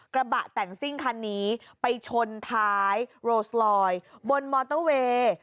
กระบะแต่งซิ่งคันนี้ไปชนท้ายโรสลอยบนมอเตอร์เวย์